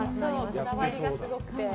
こだわりがすごくて。